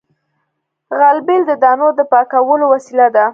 غلبېل د دانو د پاکولو وسیله ده